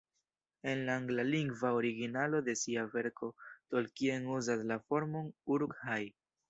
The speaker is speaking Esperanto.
En la anglalingva originalo de sia verko Tolkien uzas la formon "uruk-hai".